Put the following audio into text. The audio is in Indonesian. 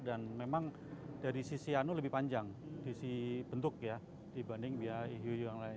dan memang dari sisi anu lebih panjang sisi bentuk ya dibanding iu iyu yang lain